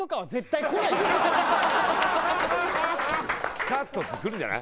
「スカッと」ってくるんじゃない？